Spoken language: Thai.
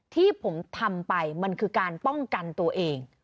ที่ผมทำไปมันคือการป้องกันตัวเอง